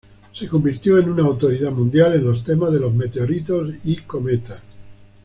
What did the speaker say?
Se convirtió en una autoridad mundial en los temas de los meteoritos y cometas.